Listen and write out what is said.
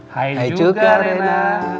hai juga rena